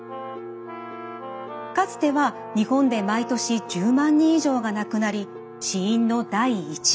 かつては日本で毎年１０万人以上が亡くなり死因の第１位。